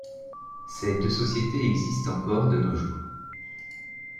Ces deux sociétés existent encore de nos jours.